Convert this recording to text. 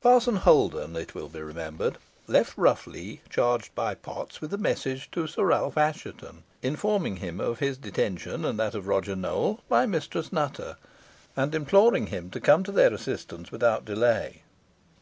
Parson Holden, it will be remembered, left Rough Lee, charged by Potts with a message to Sir Ralph Assheton, informing him of his detention and that of Roger Nowell, by Mistress Nutter, and imploring him to come to their assistance without delay.